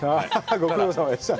ご苦労さまでした。